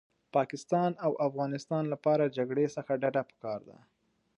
پاکستان او افغانستان لپاره جګړې څخه ډډه پکار ده